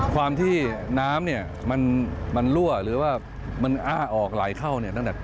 ความที่น้ำมันรั่วหรือว่ามันอ้าออกไหลเข้า